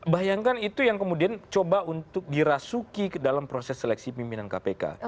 bayangkan itu yang kemudian coba untuk dirasuki dalam proses seleksi pimpinan kpk